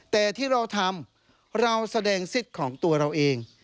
แต่ที่เราทำเราแสดงสิทธิ์ของตัวเราเอง